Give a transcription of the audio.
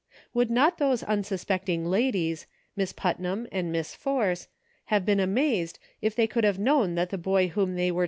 Would not those unsuspecting ladies, Miss Put nam and Miss Force, have been amazed if they could have known that the boy whom they were PHOTOGRAPHS.